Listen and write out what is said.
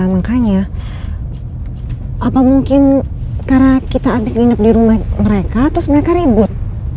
makanya apa mungkin karena kita habis nginep di rumah mereka terus mereka ribut